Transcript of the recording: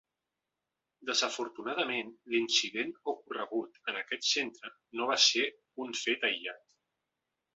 Desafortunadament, l’incident ocorregut en aquest centre no va ser un fet aïllat.